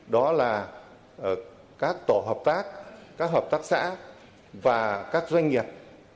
đó là các tổ hợp tác các hợp tác xã và các doanh nghiệp